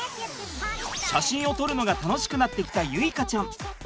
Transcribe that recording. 写真を撮るのが楽しくなってきた結花ちゃん。